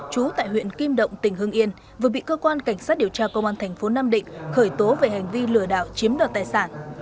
trú tại huyện kim động tỉnh hưng yên vừa bị cơ quan cảnh sát điều tra công an thành phố nam định khởi tố về hành vi lừa đảo chiếm đoạt tài sản